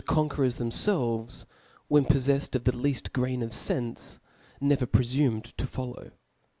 ^^^ conquerors themfelvcSp when poflcflcd of the * leaft grain of fenfe, never prefumed to follow.